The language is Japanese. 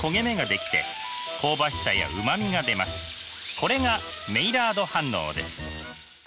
これがメイラード反応です。